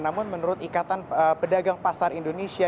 namun menurut ikatan pedagang pasar indonesia